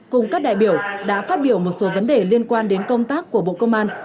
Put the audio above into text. cùng các đại biểu đã phát biểu một số vấn đề liên quan đến công tác của bộ công an